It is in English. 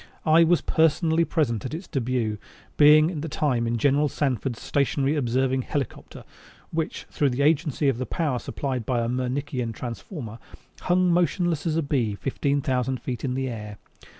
I was personally present at its debut, being at the time in General Sanford's stationary observing helicopter which, through the agency of the power supplied by a Mernickian transformer, hung motionless as a bee fifteen thousand feet in the air.